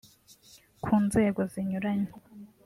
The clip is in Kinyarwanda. ku nzego zinyuranye